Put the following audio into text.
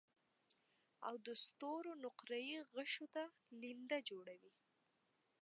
او د ستورو نقره يي غشو ته لینده جوړوي